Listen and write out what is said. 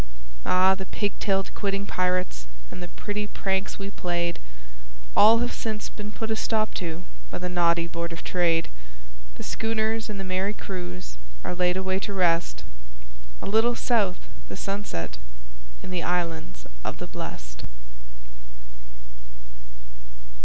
Ah! the pig tailed, quidding pirates and the pretty pranks we played, All have since been put a stop to by the naughty Board of Trade; The schooners and the merry crews are laid away to rest, A little south the sunset in the Islands of the Blest.